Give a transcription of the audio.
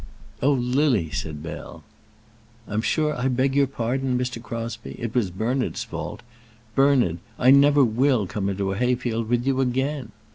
"Oh, Lily," said Bell. "I'm sure I beg your pardon, Mr. Crosbie. It was Bernard's fault. Bernard, I never will come into a hayfield with you again."